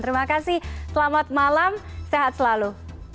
terima kasih selamat malam sehat selalu